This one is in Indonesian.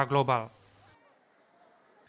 ketika pandemi berubah kesehatan akan menurun